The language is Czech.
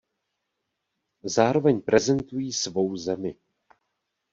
Zároveň prezentují svou zemi.